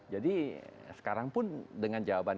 jadi sekarang pun dengan jawaban yang